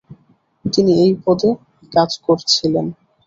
তিনি এই পদে কাজ করেছিলেন।